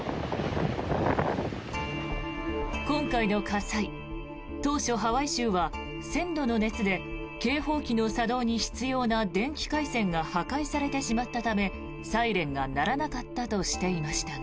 今回の火災、当初ハワイ州は１０００度の熱で警報機の作動に必要な電気回線が破壊されてしまったためサイレンが鳴らなかったとしていましたが。